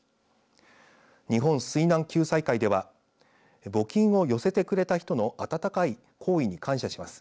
日本水難救済会では募金を寄せてくれた人の温かい好意に感謝します。